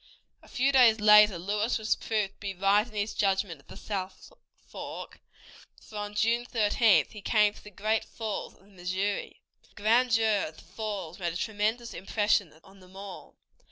A few days later Lewis was proved to be right in his judgment of the south fork, for on June 13th he came to the Great Falls of the Missouri. The grandeur of the falls made a tremendous impression on them all.